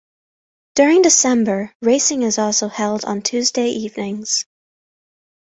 During December racing is also held on Tuesday evenings.